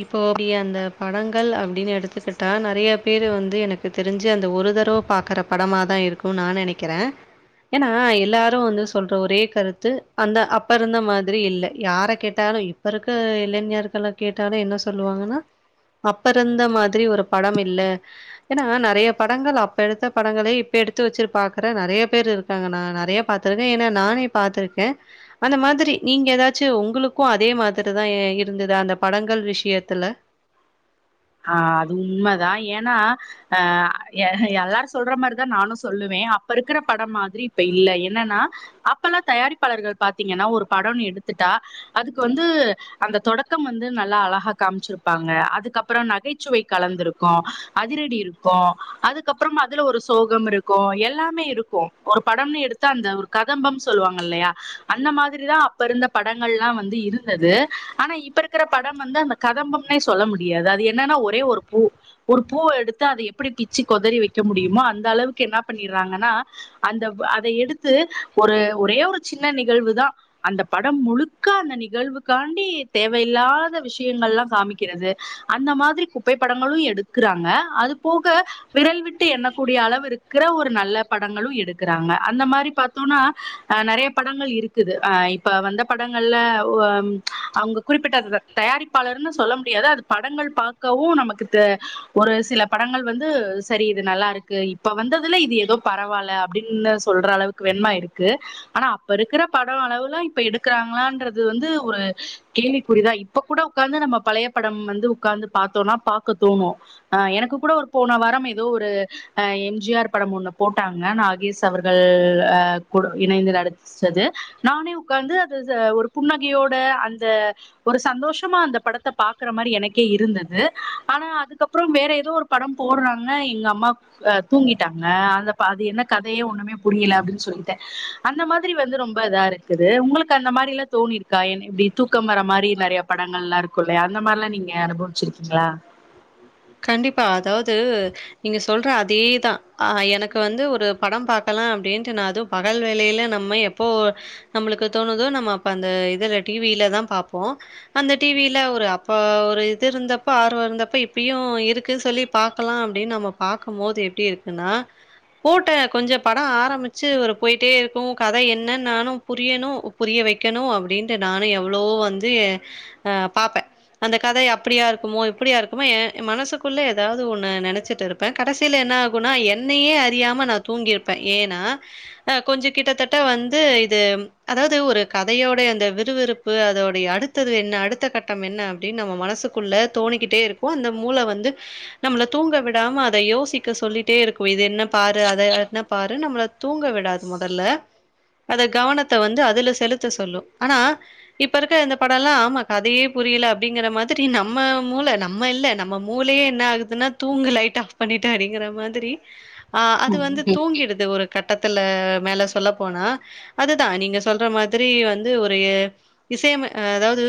இப்போ அப்டி அந்த படங்கள் அப்டின்னு எடுத்துக்கிட்டா நெறைய பேரு வந்து எனக்கு தெரிஞ்சி அந்த ஒரு தரவ பாக்குற படமாதா இருக்கூ நா நெனைக்கிறே ஏனா எல்லாரு வந்து சொல்ற ஒரே கருத்து அந்த அப்ப இருந்த மாதிரி இல்ல யார கேட்டாலு இப்ப இருக்க இளைஞர்கள கேட் ட்டாலு என்ன சொல்லுவாங்கன்னா அப்ப இருந்த மாதிரி ஒரு படம் இல்ல ஏனா நெறைய படங்கள் அப்ப எடுத்த படங்களே இப்ப எடுத்து வச்சு பாக்குற நெறைய பேர் இருக்காங்க நா நெறையா பாத்ருக்கே ஏன்னா நானே பாத்ருக்கே அந்த மாதிரி நீங்க எதாச்சு உங்ளுக்கு அதே மாதிரிதா இருந்தது அந்த படங்கள் விஷயத்துல ஆஹ் அது உண்மதா ஏனா அ எ எல்லாரு சொல்ற மாரிதா நானு சொல்லுவே அப்ப இருக்குற படம் மாத்ரி இப்ப இல்ல என்னன்னா அப்பெல்லா தயாரிப்பாளர்கள் பாத்திங்கனா ஒரு படோனு எடுத்துட்டா அதுக்கு வந்து அந்த தொடக்கம் வந்து நல்லா அழகா காம்ச்ருப்பாங்க அதுக்கப் அப்றோ நகைச்சுவை கலந்திருக்கு அதிரடி இருக்கு அதுக்கப்றமா அதுல ஒரு சோகம் இருக்கு எல்லாமே இருக்கு ஒரு படம்னு எடுத்தா அந்த ஒரு கதம்பம் சொல்லுவாங்க இல்லையா அந்த மாதிரிதா அப்ப இருந்த படங்கள்லா வந்து இருந்தது ஆனா இப்ப இருக்கற படம் வந்து அந்த கதம்பம்னே சொல்ல முடியாது இது என்னானா ஒரே ஒரு பூ ஒரு பூவ எடுத்து அத எப்டி பிச்சி கொதறி வெக்க முடியுமோ அந்த அளவுக்கு என்னா பண்ணிறாங்கனா அந்தவ் அத எடுத்து ஒரு ஒரே ஒரு சின்ன நிகழ்வுதா அந்த படம் முழுக்க அந்த நிகழ்வுக்காண்டி தேவயில்லாத விஷயங்கள்லா காமிக்கிறது அந்த மாதிரி குப்பைப்படங்களு எடுக்றாங்க அது போக விரல் விட்டு எண்ணக்கூடிய அளவு இருக்ற ஒரு நல்ல படங்களு எடுக்றாங்க அந்த மாரி பாத்தோனா நெறைய படங்கள் இருக்குது ஆஹ் இப்ப வந்த படங்கள்ல வ அவங்க குறிப்பிட்ட அந்த தயாரிப்பாளர்னு சொல்ல முடியாது அது படங்கள் பாக்கவு நமக்கு தே ஒரு சில படங்கள் வந்து சரி இது நல்லா இருக்கு இப்ப வந்ததுல இது எதோ பரவால அப்டின்னு சொல்ற அளவுக்கு வேண்மா இருக்கு ஆனா அப்ப இருக்ற படோ அளவுலா இப்ப எடுக்குறாங்களான்றது வந்து ஒரு கேள்விகுறிதா இப்ப கூட உக்காந்து நம்ப பழைய படம் வந் து உக்காந்து பாத்தோனா பாக்க தோணு எனக்கு கூட ஒரு போன வாரம் எதோ ஒரு அ எம் ஜி ஆர் படம் ஒன்னு போட்டாங்க நாகேஷ் அவர்கள் அ கூட் இணைந்து நடிச்சது நானே உக்காந்து அது ஒரு புன்னகையோட அந்த ஒரு சந்தோஷமா அந்த படத்த பாக்ற மாரி எனக் கே இருந்தது ஆனா அதுக்கப்றோ வேற எதோ ஒரு படம் போட்றாங்க எங்க அம்மா தூங்கிட்டாங்க அந்தப அது என்ன கதையே ஒண்ணுமே புரியல அப்டின்னு சொல்லிட்டு அந்த மாதிரி வந்து ரொம்ப இதா இருக்குது உங்களுக்கு அந்த மாரிலா தோணிற்க்கா இப்டி தூக்கம் வர மாரி நெறைய படங்கள்லா இருக்கு இல்லையா அந்த மார்லா நீங்க ய அனுபவ்ச்சிருக்கிங்ளா கண்டிப்பா அதாவ்து நீங்க சொல்ற அதே தா அ எனக்கு வந்து படம் பாக்கலா அப்டீன்ட் நா து பகல் வேலைல நம்ம எப்போ நம்ளுக்கு தோணுதோ நம்ம அப்ப அந்த இதல டி வீ லதா பாப்போ அந்த டி வி ல ஒரு அப்போ ஒரு இது இருந்தப்பொ ஆர்வருந்தப்பொ இப்பெயு உ இருக்கு சொல்லி பாக்கலா அப்டின்னு நம்ப பாக்கம்போது எப்டி இருக்குன்னா போட்ட கொஞ்ஜொ படம் ஆரம்பிச்சு ஒரு போயிட்டே இருக்கு கதை என்னன் நானு புரியணு புரிய வைக்கணு அப்டின்ட்டு நானு எவ்ளவோ வந்து அ பாப்பே அந்த கதை அப்டியா இருக்குமோ இப்டியா இருக்குமோ எ ஏ மனசுக்குள்ள ஏதாவ்து ஒன்னு நெனச்சிட்டு இருப்பே கடைசில என்ன ஆகுனா என்னையே அறியாம நா தூங்கிருப்பே ஏனா அ கொஞ்ஜொ கிட்டத்தட்ட வந்து இது அதாவது ஒரு கதையோடைய அந்த விறுவிறுப்பு அதோடைய அடுத்தது என்ன அடுத்த கட்டம் என்ன அப்டின்னு நம்ப மனசுக்குள்ள தோணிக்கிட்டே இருக்கு அந்த மூள வந்து நம்ள தூங்க விடாம அத யோசிக்க சொல்லிட்டே இருக்கு இது என்ன பாரு அத என்ன பாரு நம்ள தூங்க விடாது மொதல்ல அத கவனத்த வந்து அதுல செலுத்த சொல்லு ஆனா இப்ப இருக்க இந்த படல்லாம் கதையே புரியல அப்டிங்கிற மாதிரி நம்ம மூள நம்ம இல்ல நம் ம மூளையே என்ன ஆகுதுன்னா தூங்கு லைட் ஆஃப் பண்ணிட்டு அப்டிங்கற மாதிரி ஆஹ் அது வந்து ம் தூங்கிடுது ஒரு கட் படத்துல மேல சொல்ல போனா அதுதா நீங்க சொல்ற மாதிரி வந்து ஒரு இசையம அதாவ்து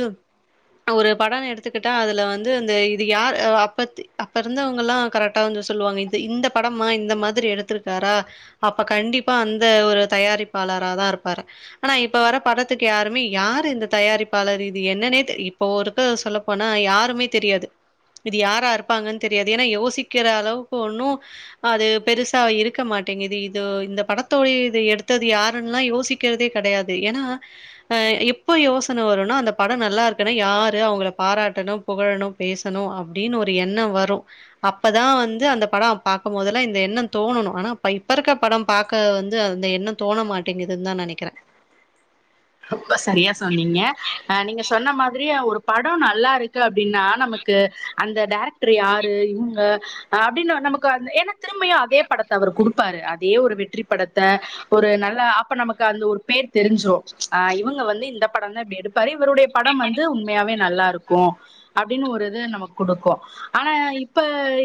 ஒரு படோ எடுத்துக்கிட்டா அதுல வந்து அந்த இது யார் யொ அப்பத்தி அப்ப இருந்தவங்கலா கரெக்டா வந்து சொல்லுவாங்க இது இந்த படமா இந்த மாதிரி எடுத்துருக்காரா அப்ப கண்டிப்பா அந்த ஒரு தயாரிப்பாளரா தா இருப்பாரு ஆனா இப்ப வர படத்துக்கு யாருமே யாரு இந்த தயாரிப்பாளர் இது என்னன்னே தே இப்ப ஒருக்க சொல்லப்போனா யாருமே தெரியாது இது யாரா இருப்பாங்கன்னு தெரியாது ஏன்னா யோசிக்கிற அளவுக்கு ஒன்னு அது பெருசா இருக்க மாட்டேங்குது இது இந்த படத்தோடைய இது எடுத்தது யாருன்லா யோசிக்கிறதே கெடையாது ஏனா அ எப்ப யோசன வருனா அந்த படொ நல்லா இருக்குனா யாரு அவங்கள பாராட்டனு புகழனு பேசனு அப் டீனு ஒரு எண்ணோ வரு அப்பதா வந்து அந்த படொ பாக்கும்போதெல்லா இந்த எண்ணம் தோணனு ஆனா பை இப்ப இருக்ற படோ பாக்க வந்து அந்த எண்ணம் தோண மாட்டேங்குதுன் தா நெனைக்கிறே ரொம்ப சரியா சொன்னிங்க ஆஹ் நீங்கஸ் சொன்ன மாதிரி ஒரு படோ நல்லா இருக்கு அப்டின்னா நமக்கு அந்த டேரெக்ட் ட்ரு யாரு இவுங்க ஆ அப்டின்னு நமக்கு அந் ஏனா திரும்பயு அதே படத்த அவரு குடு ப்பாரு அதே ஒரு வெற்றி படத்த ஒரு நல்ல அப்ப நமக்கு அந்த ஒரு பேர் தெரிஞ்சுரு ஆ இவங்க வந்து இந்த படம் தா டெருப் பாரு இவருடைய படம் வந்து உண்மையாவே நல்லா இருக்கு அப்டின்னு ஒரு இது நமக்கு குடுக்கு ஆனா இப்ப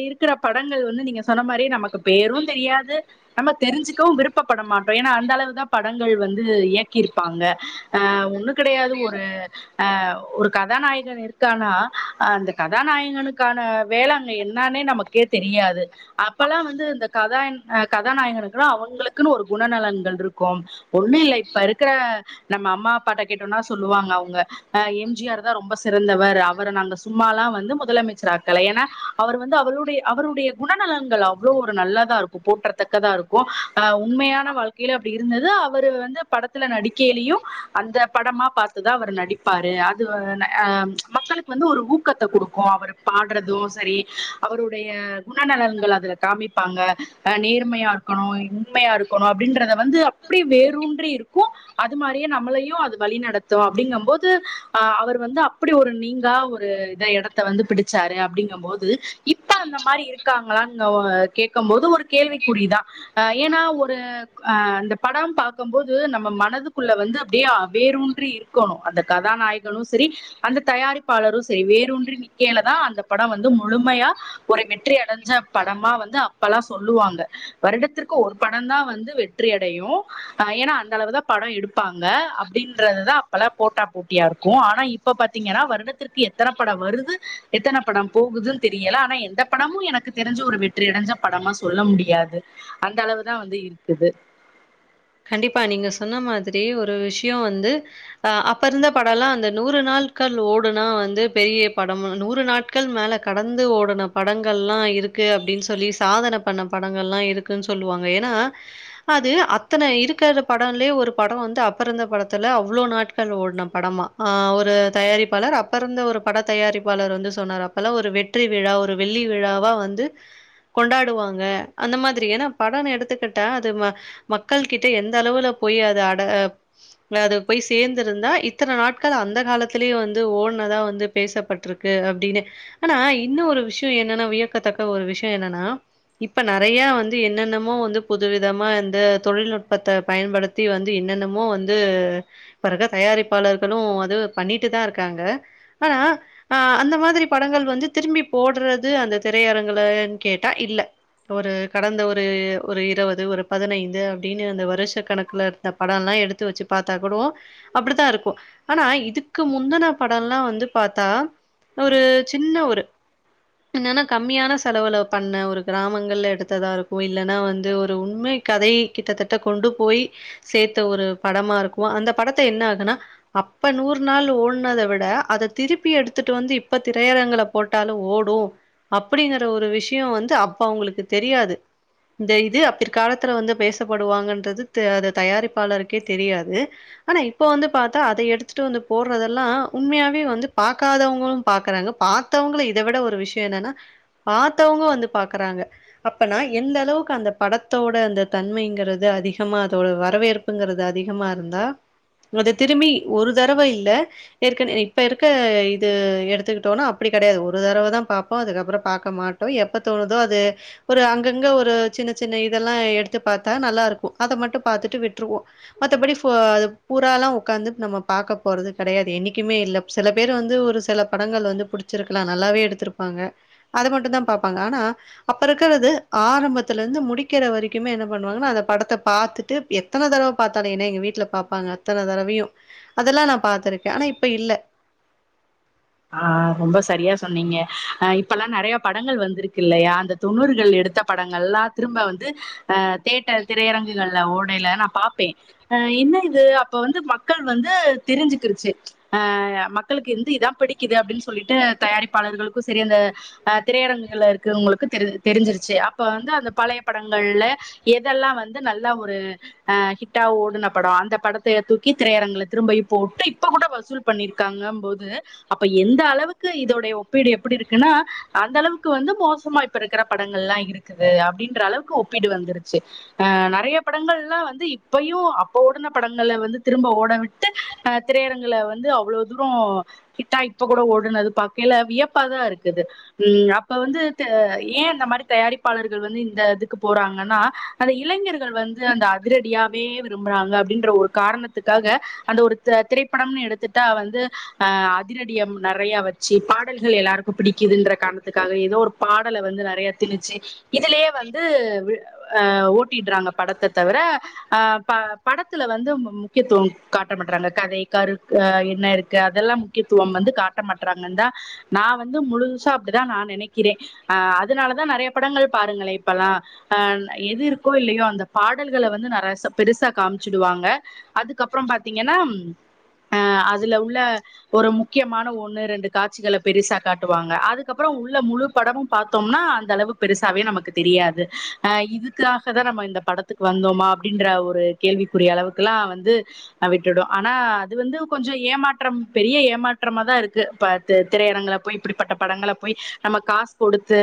இருக்கிற படங்கள் வந்து நீங்க சொன்ன மாரி நமக்கு பேரூ தெரியாது நம்ம தெரிஞ்சுக்கவு விருப்பப்பட மாட்டோ ஏனா அந்த அளவுதான் படங்கள் வந்து இயக்கி இருப்பாங்க ஆஹ் ஒண்ணு கிடையாது ஒரு ஆஹ் ஒரு கதாநாயகன் இருக்கானா அந்த கதாநாயகனுக்கான வேல அங்க என்னானே நமக்கே தெரியாது அப்பெல்லா வந்து இந்த கதா கதாநாயகனுக்குலா அவங்களுக்குனு ஒரு குணநலன்கள் இருக்கு ஒண்ணு இல்ல இப்ப இருக்ற நம்ம அம்மா அப்பாட்ட கேட்டோனா சொல்லுவாங்க அவங்க அஹ் எம் ஜி ஆர் தா ரொம்ப சிறந்தவர் அவர நாங்க சும்மாலா வந்து முதலமைச்சர் ஆக்கல ஏனா அவர் வந்து அவருடை அவருடைய குணநலங்கள் அவ்ளோ ஒரு நல்லாதாருக்கு போற்றத்தக்கதா இருக்கு ஆஹ் உண்மையான வாழ்க்கைல அப்டி இருந்தது அவரு வந்து படத்துல நடிக்கைலயு அந்த படமா பாத்துதா அவரு நடிப்பாரு அதுவன அஹ் மக்களுக்கு வந்து ஒரு ஊக்கத்த குடுக்கு அவரு பாடுறது சரி அவருடைய குணநலன்கள் அதுல காமிப்பாங்க அஹ் நேர்மையா இருக்கணு உண்மையா இருக்கணு அப்படின்றத வந்து அப்டி வேறூன்றி இருக்கு அது மாத் தியே நம்மளயு அது வழிநடத்து அப்டிங்கம்போது அ அவர் வந்து அப்டி ஒரு நீங்கா ஒரு இத எடத்த வந்து பிடிச்சாரு அப்டிங்கம்போது இப்ப அந்த மாரி இருக்காங்ளாங்க கேக்கம் போது ஒரு கேள்விக்குறிதா ஏனா ஒரு அ அந்த படம் பாக்கம்போது நம்ம மனது குள்ள வந்து அப்படியா வேரூன்றி இருக்காணு அந்த கதாநாயகனு சேரி அந்த தயாரிப்பாளரு சே வேரூன்றி நிக்கையிலதா அந்த படொ வந்து முழுமையா ஒரு வெற்றி அடைஞ்ச படமா வந்து அப்பல்லா சொல்லுவாங்க வருடத்திற்கு ஒரு படொந்தா வந்து வெற்றி அடையு அ ஏனா அந்த அளவுதா படொ எடுப் பாங்க அப்டின்றதுதா அப்பலா போட்டா போட்டியாருக்கு ஆனா இப்ப பாத்திங்கனா வருடத்திற்கு எத்தன படொ வருது எத்தன படம் போகுதுன்னு தெரியல ஆனா எந்த படமு எனக்கு தெரிஞ்சி ஒரு வெற்றி அடஞ்ச படமா சொல்ல முடியாது அந்த அளவுதா வந்து இருக்குது கண்டிப்பா நீங்க சொன்ன மாதிரி ஒரு விஷயொ வந்து அஹ் அப்ப இருந்த படொல்லா அந்த நூறு நாள்கள் ஓடுனா வந்து பெரிய படம் நூறு நாட்கள் மேல கடந்து ஓடுன படங்கள்லா இருக்கு அப்டின் சொல்லி சாதன பண்ண படங்கள்லா இருக்குன் சொல்லுவாங்க ஏனா அது அத் தன இருக்காற படொல்லயே ஒரு படொ வந்து அப்ப இருந்த படத்துல அவ்வளவு நாட்கள் ஓட்ன படமா ஆஹ் ஒரு தயாரிப்பாளர் அப்ப இருந்த ஒரு பட தயாரிப்பாளர் வந்து சொன்னார் அப்பலா ஒரு வெற்றி விழா ஒரு வெள்ளி விழாவா வந்து கொண்டாடுவாங்க அந்த மாதிரி ஏனா படொனு எடுத்துக்கிட்டா அது வ மக்கள் கிட்ட எந்த அளவுல போய் அது அட அது போய் சேந்துருந்தா இத்தன நாட்கள் அந்த காலத்திலயே வந்து ஓட்னதா வந்து பேசப்பட்ருக்கு அப்டினு ஆனா இன்னு ஒரு விஷயொ என்னன்னா வியக்கத்தக்க ஒரு விஷயொ என்னனா இப்ப நெறையா வந்து என்னென்னமோ வந்து புது விதமா இந்த தொழில்நுட்பத்த பயன்படுத்தி வந்து என்னென்னமோ வந்து பெறகு தயாரிப்பாளர்களு அது பண்ணிட்டு தா இருக்காங்க ஆனா ஆ அந்த மாதிரி படங்கள் வந்து திரும்பி போட்றது அந்த திரையரங்குலன் கேட்டா இல்ல ஒரு கடந்த ஒரு ஒரு இருபது ஒரு பதினைந்து அப்டீனு அந்த வருஷ கணக்குல எடுத்த படொல்லா எடுத்து வச்சு பாத்தா கூடோ அப்டித்தா இருக்கு ஆனா இதுக்கு முந்துன படொல்லா வந்து பாத்தா ஒரு சின்ன ஒரு என்னானா கம்மியான செலவுல பண்ண ஒரு கிராமங்கள்ல எடுத்ததா இருக்கு இல்லனா வந்து ஒரு உண்மை கதை கிட்டத்தட்ட கொண்டு போய் சேர்த்த ஒரு படமா இருக்கும் அந்த படத்தை என்ன ஆகுன்னா அப்ப நூறு நாள் ஓடுனத விட அத திருப்பி எடுத்துட்டு வந்து இப்ப திரையரங்கள போட்டாலும் ஓடும் அப்படிங்கற ஒரு விஷயம் வந்து அப்ப அவங்களுக்கு தெரியாது இந்த இது பிற்காலத்துல வந்து பேச படுவாங்க தயாரிப்பாளருக்கே தெரியாது ஆனா இப்ப வந்து பாத்தா அத எடுத்துட்டு வந்து போடுறதெல்லாம் உண்மையாவே வந்து பாராதவங்களும் பாறாங்க பார்த்தவங்கள இதை விட ஒரு விஷயம் என்னன்னா பார்த்தவங்க வந்து பாக்குறாங்க அப்பனா எந்த அளவுக்கு அந்த படத்தோட அந்த தன்மை ன்றது அத அத வரவேற்புங்கிறது அதிகமா இருந்தா அத திரும்பி ஒரு தடவை இல்ல இப்ப இருக்க இது எடுத்துக்கிட்டோனா அப்படி கிடையாது ஒரு தடவை தான் பார்ப்போம் அதுக்கப்புறம் பார்க்க மாட்டோம் எப்ப தோணுதோ அது ஓரு அங்கங்க ஒரு சின்ன சின்ன இதெல்லாம் எடுத்து பாத் தா நல்லா இருக்கும் அத மட்டும் பா த்தட்டு விட்டுருவோம் மத்தபடி பூராலாம் உட்காந்து நம்ம பக்க போறது கிடையாது என்னைக்குமே இல்ல சில பேர் வந்து ஒரு சில படங்கள் வந்து படிச்சிருக்கலாம் நல்லாவே எடுத்திருப்பாங்க அதை மட்டும் தான் பாாங்க ஆனா அப்ப இருக்கிறது ஆரம்பத்துல இருந்து முடிக்கிற வரைக்குமே என்ன பண்ணுவாங்க ந அந்த படத்தை பாாரத்துட்டு எத்தனை தடவை பார்த்தாலே ஏன்ன எங்க வீட்டுல பார்ப்பாங்க அத்தன தடவையும் அதெல்லாம் நான் பார்த்திருக்கேன் ஆனா இப்ப இல்ல ஆஹ் ரொம்ப சரியா சொன்னீங்க அஹ் இப்பெல்லாம் நிறைய படங்கள் வந்திருக்கு இல்லையா அந்த தொண்ணூர்கள் எடுத்த படங்கள் எல்லாம் திரும்ப வந்து அ தேட்டர் திரையரங்குகள்ல ஓடயல ந பார்ப்பேன் என்ன இது அப்ப வந்து மக்கள் வந்து தெரிஞ்சுக்கிருச்சு ஆஹ் மக்களுக்கு இருந்து இதான் புடி க்குது அப்படின்னு சொல்லிட்டு தயாரிப்பாளர்களுக்கும் சேரி அந்த அஹ் திரையரங்குல இருக்குவங்களுக்கு தெரி தெரிஞ்சிருச்சு அப்ப வந்து அந்த பழைய படங்கள்ல எதெல்லாம் வந்து நல்லா ஒரு அஹ் ஹிட்டா ஓடுன படம் அந்த படத்தைய தூக்கி திரையரங்குல திரும்பி போட்டு இப்ப கூட வசூல் பண்ணிருக்காங்க போது அப்ப எந்த அளவுக்கு இதோடைய ஒப்பீடு எப்படி இருக்குன்னா அந்த அளவுக்கு வந்து மோசமா இப்ப இருக்கிற படங்கள் எல்லாம் இருக்குது அப்படின்ற அளவுக்கு ஒப்பீடு வந்துருச்சு அஹ் நிறைய படங்கள் எல்லாம் வந்து இப்பயையும் அப்போ ஓடன படங்களை வந்து திரும்ப ஓட விட்டு அஹ் திரையரங்கள வந்து அவ்ளோ தூரம் ஹிட்டா இப்ப கூட ஓடுனது பார்க்கல வியப்பாதான் இருக்குது உம் அப்ப வந்து ஏன் அந்த மாதிரி தயாரிப்பாளர்கள் வந்து இந்த இதுக்கு போறாங்கன்னா அந்த இளைஞர்கள் வந்து அந்த அதிரடியாவே விரும்புறாங்க அப்படின்ற ஒரு காரணத்துக்காக அந்த ஒரு திரைப்படம்னு எடுத்துட்டா வந்து அஹ் அதிரடியம் நிறைய வச்சு பாடல்கள் எல்லாருக்கும் பிடிக்குதுன்ற காரணத்துக்காக ஏதோ ஒரு பாடலை வந்து நிறைய திணிச்சு இதுலயே வந்து ஹ ஓட்டிடுறாங்க படத்தை தவிர ஆஹ் படத்துல வந்து முக்கியத்துவம் காட்ட மாடுறாங்க கதை கருஹ் என்ன இருக்கு அதெல்லாம் முக்கியத்துவம் வந்து காட்ட மாட்டுறாங்கன்னு தான் நான் வந்து முழுதுசா அப்படிதான் நான் நினைக்கிறேன் அஹ் அதனாலதான் நிறைய படங்கள் பாருங்களே இப்பல்லாம் அஹ் எது இருக்கோ இல்லையோ அந்த பாடல்களை வந்து நிறைய பெருசா காமிச்சுடுவாங்க அதுக்கப்பறம் பாத்தீங்கன்னா அஹ் அதுல உள்ள ஒரு முக்கியமான ஒண்ணு ரெண்டு காட்சிகளை பெருசா காட்டுவாங்க அதுக்கப்பறம் உள்ள முழு படமும் பார்த்தோம்னா அந்த அளவு பெருசாவே நமக்கு தெரியாது அஹ் இதுக்காக தான் நம்ம இந்த படத்துக்கு வந்தோமா அப்படின்ற ஒரு கேள்விக்குரிய அளவுக்குெல்லாம் வந்து விட்டுடும் ஆனா அது வந்து கொஞ்சம் ஏமாற்றம் பெரிய ஏமாற்றமா தான் இருக்கு இப்ப திரையரங்களை போய் இப்படிப்பட்ட படங்களை போய் நம்ம காசு கொடுத்து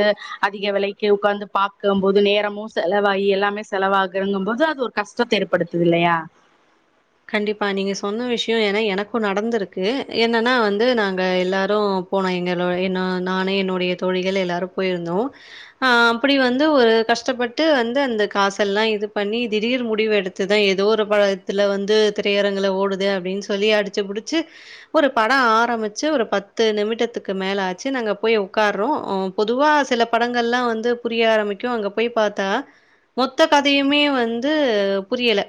அதிக விலைக்கு உட்காந்து பார்க்கும் போது நேரமும் செலவாயி எல்லாமே செலவாகங்கும் போது அது ஒரு கஷ்டத்தை ஏற்படுத்துது இல்லையா கண்டிப்பா நீங்க சொன்ன விஷயம் ஏன்னா எனக்கும் நடந்திருக்கு என்னன்னா வந்து நாங்க எல்லாரும் போனோம் எங்க என்ன நானு என்னுடைய தோழிகள் எல்லாரும் போயிருந்தோம் ஆஹ் அப்படி வந்து ஒரு கஷ்டப்பட்டு வந்து அந்த காசல்லாம் இது பண்ணி திடீர் முடிவு எடுத்துதான் ஏதோ ஒரு பழத்துல வந் து திரையரங்கள ஓடுதே அப்படின்னு சொல்லி அடிச்சுடிச்சு ஒரு படம் ஆரம்பிச்சு ஒரு பத்து நிமிடத்துக்கு மேல ஆச்சு நாங்க போய் உட்காறோம் பொதுவா சில படங்கள்லாம் வந்து புரிய ஆரம்பிக்கும் அங்க போய் பாத்தா மொத்த கதையுமே வந்து புரியல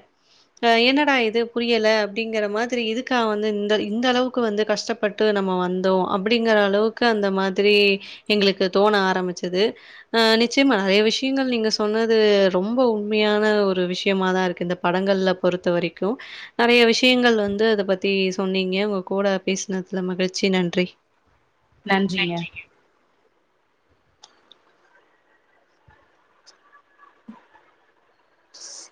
அ என்னடா இ து புரியல அப்படிங்கிற மாதிரி இதுக்க வந்து இந்த இந்த அளவுக்கு வந்து கஷ்டப்பட்டு நம்ம வந்தோம் அப்படிங்கிற அளவுக்கு அந்த மாதிரி எங்களுக்கு தோண ஆரம்பிச்சது அஹ் நிச்சயமா நிறைய விஷயங்கள் நீங்க சொன்னது ரொம்ப உண்மையான ஒரு விஷயமா தான் இருக்கு இந்த படங்கள்ல பொறுத்த வரைக் கும் நிறைய விஷயங்கள் வந்து அத பத்தி சொன்னீங்க உங்க கூட பேசினதுல மகிழ்ச்சி நன்றி நன்றி. நன்றிங்க